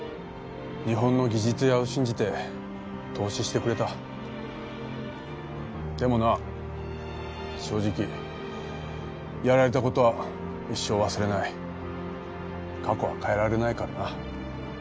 日本の技術屋を信じて投資してくれたでもな正直やられたことは一生忘れない過去は変えられないからな